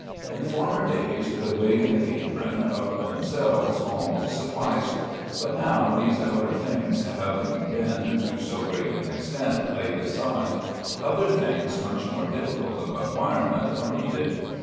In former days the wig and apron, of themselves, almost sufficed; but now, these outer things having been, to so great an extent, laid aside, other things, much more difficult of acquirement, are needed.